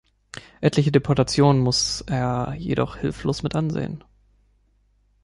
Etliche Deportationen muss er jedoch hilflos mit ansehen.